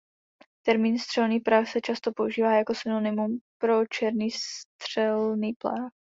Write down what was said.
Termín střelný prach se často používá jako synonymum pro černý střelný prach.